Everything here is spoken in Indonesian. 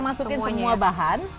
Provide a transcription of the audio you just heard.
kita masukin semua bahan